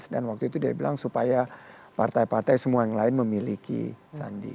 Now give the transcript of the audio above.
dan waktu itu dia bilang supaya partai partai semua yang lain memiliki sandi